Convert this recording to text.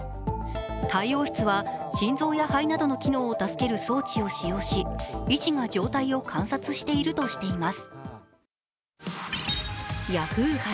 タイ王室は、心臓や肺などの機能を助ける装置を使用し医師が状態を観察しているとしています。